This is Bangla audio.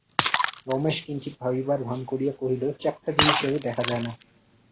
রমেশ কিঞ্চিৎ ভাবিবার ভান করিয়া কহিল, চ্যাপ্টা জিনিসেরও দেখা যায় না।